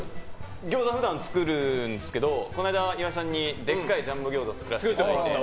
餃子、普段作るんですけどこの間、岩井さんにでかいジャンボ餃子を作らせてもらって。